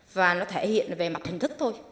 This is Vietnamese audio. và nó thể hiện về mặt hình thức thôi